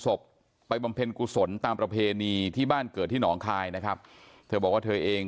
ศพไปบำเพ็ญกุศลตามประเพณีที่บ้านเกิดที่หนองคายนะครับเธอบอกว่าเธอเอง